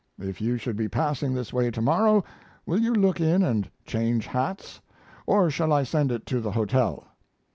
If you should be passing this way to morrow will you look in and change hats? or shall I send it to the hotel?